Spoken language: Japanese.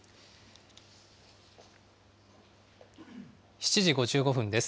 ７時５５分です。